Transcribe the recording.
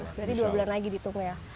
jadi dua bulan lagi ditunggu ya